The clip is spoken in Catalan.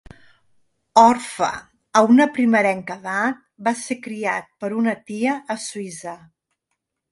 Orfe a una primerenca edat, va ser criat per una tia a Suïssa.